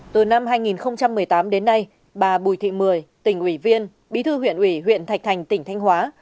từ năm hai nghìn một mươi tám đến nay bà bùi thị mười tỉnh ủy viên bí thư huyện ủy huyện thạch thành tỉnh thanh hóa